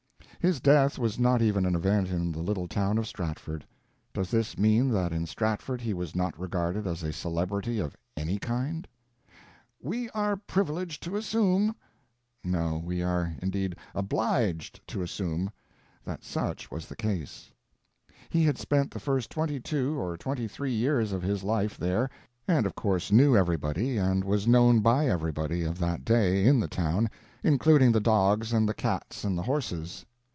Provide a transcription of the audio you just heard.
His death was not even an event in the little town of Stratford. Does this mean that in Stratford he was not regarded as a celebrity of any kind? "We are privileged to assume"—no, we are indeed obliged to assume—that such was the case. He had spent the first twenty two or twenty three years of his life there, and of course knew everybody and was known by everybody of that day in the town, including the dogs and the cats and the horses.